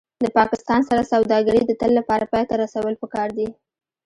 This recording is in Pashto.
د پاکستان سره سوداګري د تل لپاره پای ته رسول پکار دي